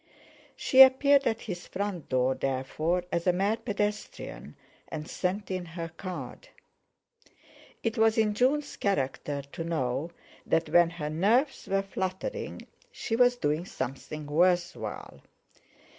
She appeared at his front door, therefore, as a mere pedestrian, and sent in her card. It was in June's character to know that when her nerves were fluttering she was doing something worth while.